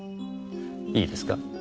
いいですか？